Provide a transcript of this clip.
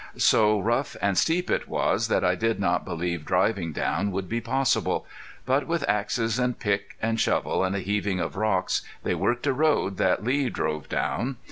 So rough and steep it was that I did not believe driving down would be possible. But with axes and pick and shovel, and a heaving of rocks, they worked a road that Lee drove down.